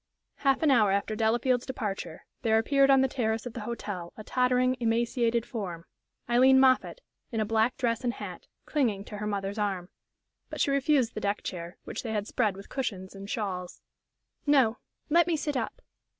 Half an hour after Delafield's departure there appeared on the terrace of the hotel a tottering, emaciated form Aileen Moffatt, in a black dress and hat, clinging to her mother's arm. But she refused the deck chair, which they had spread with cushions and shawls. "No; let me sit up."